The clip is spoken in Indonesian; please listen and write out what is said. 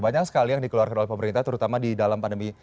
banyak sekali yang dikeluarkan oleh pemerintah terutama di dalam pandemi